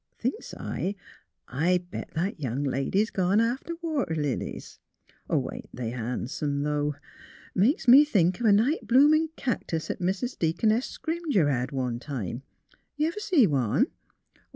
Thinks I, I bet that young lady's gone after water lilies. Ain't they han'some though? Makes me think of a night bloomin' cactus 'at Mis' Dea coness Scrimger lied one time. Ever see one?